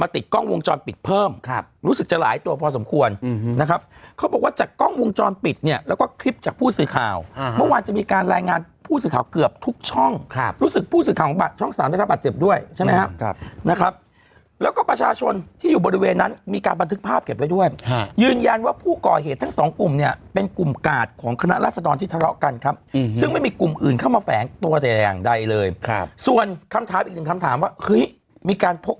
ติดกล้องวงจรปิดเพิ่มครับรู้สึกจะหลายตัวพอสมควรนะครับเขาบอกว่าจากกล้องวงจรปิดเนี่ยแล้วก็คลิปจากผู้สื่อข่าวเมื่อวานจะมีการรายงานผู้สื่อข่าวเกือบทุกช่องครับรู้สึกผู้สื่อข่าวของบัตรช่องสามได้ถ้าบัตรเจ็บด้วยใช่ไหมครับครับนะครับแล้วก็ประชาชนที่อยู่บริเวณนั้นมีการบันทึกภาพเก็บไว